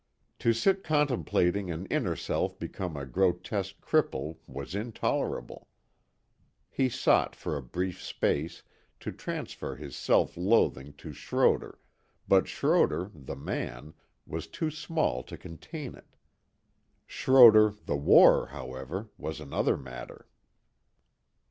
To sit contemplating an inner self become a grotesque cripple was intolerable. He sought for a brief space to transfer his self loathing to Schroder but Schroder, the man, was too small to contain it. Schroder, the war, however, was another matter.